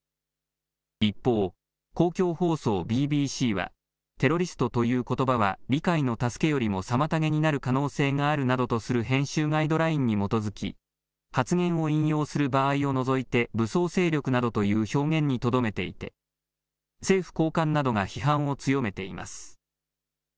一方、公共放送ＢＢＣはテロリストということばは理解の助けよりも妨げになる可能性があるなどとする編集ガイドラインに基づき発言を引用する場合を除いて武装勢力などという表現にとどめていて政府高官などが批判を強めています。